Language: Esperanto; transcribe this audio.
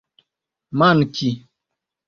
manki